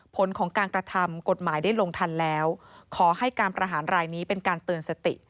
ผลของการกระทำกฎหมายได้ลงทันแล้วขอให้การประหารรายนี้เป็นการเตือนสติ